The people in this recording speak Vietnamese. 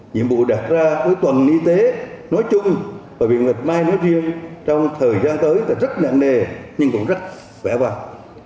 nhiệm vụ đạt ra với toàn y tế nói chung và bệnh viện bạch mai nói riêng trong thời gian tới là rất nhạc nề nhưng cũng rất vẻ vang